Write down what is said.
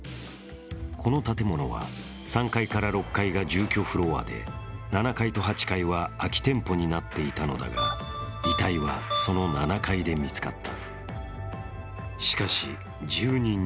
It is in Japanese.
この建物は３階から６階が住居フロアで７階と８階は空き店舗になっていたのだが、遺体は、その７階で見つかった。